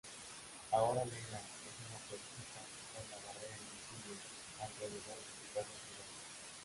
Ahora Leela es una proscrita tras la barrera invisible alrededor de su casa tribal.